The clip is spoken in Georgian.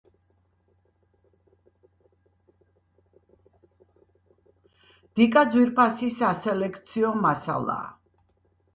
დიკა ძვირფასი სასელექციო მასალაა.